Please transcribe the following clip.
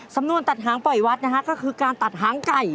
สำนวนตัดหางปล่อยวัดนะฮะก็คือการตัดหางไก่